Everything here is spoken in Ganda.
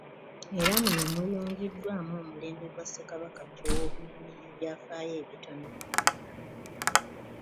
Era muno muyungiddwamu omulembe gwa Ssekabaka Chwa II n'ebyafaayo ebitono ku gwo.